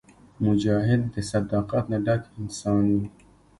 مجاهد د صداقت نه ډک انسان وي.